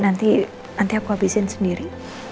nanti aku habisin sendiri